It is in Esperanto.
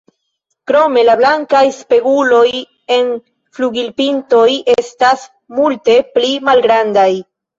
Krome la blankaj “speguloj” en flugilpintoj estas multe pli malgrandaj.